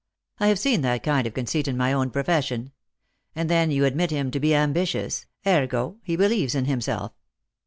I have seen that kind of conceit in my own profession. And then you admit him to be ambitious ; ergo, he believes in himself."